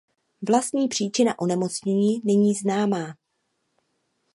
Vlastní příčina onemocnění není známá.